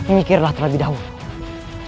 mikirlah terlebih dahulu